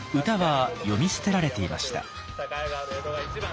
歌は詠み捨てられていました。